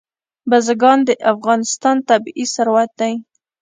بزګان د افغانستان طبعي ثروت دی.